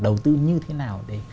đầu tư như thế nào